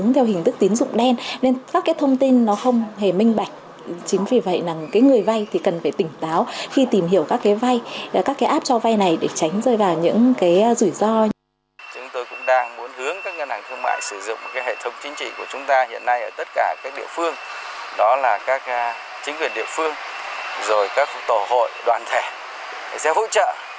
chính trị của chúng ta hiện nay ở tất cả các địa phương đó là các chính quyền địa phương rồi các tổ hội đoàn thể sẽ hỗ trợ